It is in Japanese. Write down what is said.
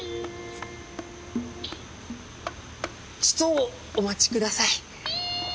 ちとお待ちください。